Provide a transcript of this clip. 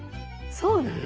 そうなの。